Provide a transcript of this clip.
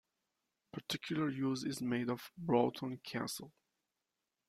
Particular use is made of Broughton Castle.